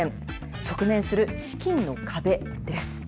直面する資金の壁です。